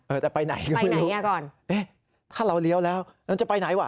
เออแต่ไปไหนก็ไม่รู้เอ๊ะถ้าเราเลี้ยวแล้วเราจะไปไหนวะ